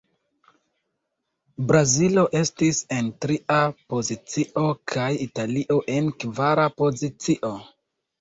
Brazilo estis en tria pozicio, kaj Italio en kvara pozicio.